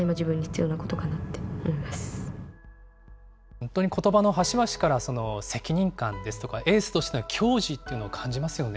本当にことばの端々から、責任感ですとか、エースとしてのきょうじというのを感じますよね。